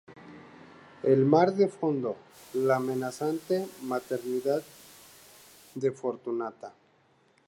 El mar de fondo: la amenazante maternidad de Fortunata.